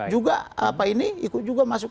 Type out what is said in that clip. juga apa ini ikut juga masuk